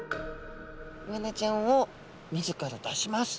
イワナちゃんを水から出します。